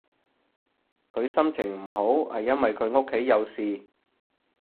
佢心情唔好係因為佢屋企有事